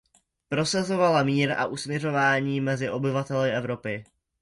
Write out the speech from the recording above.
Prosazovala mír a usmiřování mezi obyvateli Evropy.